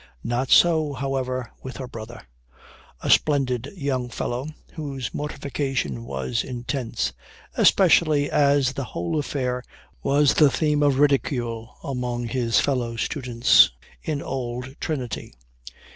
Not so, however, with her brother a splendid young fellow, whose mortification was intense, especially as the whole affair was the theme of ridicule among his fellow students in Old Trinity.